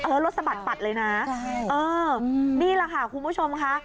เออรถสะบัดเลยนะนี่แหละค่ะคุณผู้ชมค่ะ